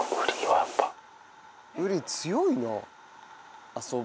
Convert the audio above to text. ウリ強いな。